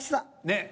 ねえ。